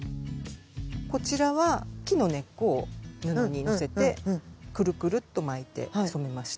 こちらは木の根っこを布にのせてくるくるっと巻いて染めました。